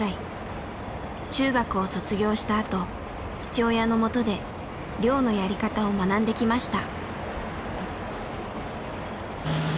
中学を卒業したあと父親の下で漁のやり方を学んできました。